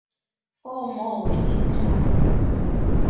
Four more were injured.